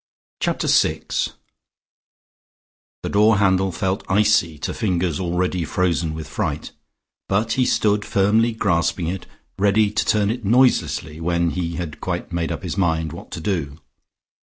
Chapter SIX The door handle felt icy to fingers already frozen with fright, but he stood firmly grasping it, ready to turn it noiselessly when he had quite made up his mind what to do.